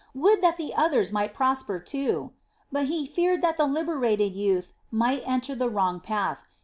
Would that the others might prosper too! But he feared that the liberated youth might enter the wrong path.